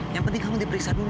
yang penting kamu diperiksa dulu